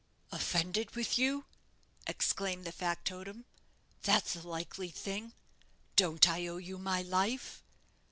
"Offended with you!" exclaimed the factotum; "that's a likely thing. Don't I owe you my life?